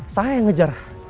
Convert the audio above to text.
saya yang ngejar